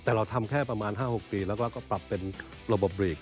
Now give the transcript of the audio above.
แต่เราทำแค่ประมาณ๕๖ปีแล้วก็ปรับเป็นระบบหลีก